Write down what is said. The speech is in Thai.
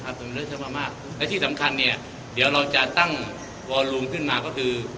และที่สำคัญเนี่ยเดี๋ยวเราจะตั้งวอลูมขึ้นมาก็คือ